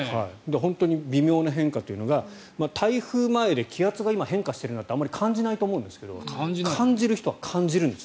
本当に微妙な変化というのが、台風前で気圧が今、変化しているなんてあまり感じないと思いますが感じる人は感じるんです。